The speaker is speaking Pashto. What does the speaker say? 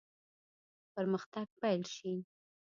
پرمختګ پیل شي.